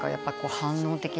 反応的な。